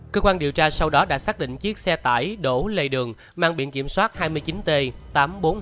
cơ quan điều tra sau đó đã xác định chiếc xe tải đổ lây đường mang biện kiểm soát hai mươi chín t tám nghìn bốn trăm hai mươi ba